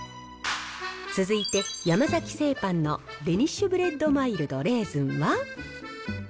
続いて山崎製パンのデニッシュブレッドマイルドレーズンは。